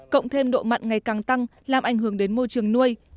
cộng thêm độ mặn ngày càng tăng làm ảnh hưởng đến môi trường nuôi